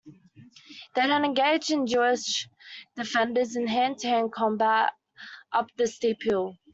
They then engaged the Jewish defenders in hand-to-hand combat up the steep hill.